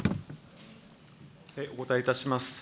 お答えいたします。